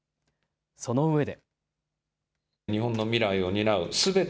そのうえで。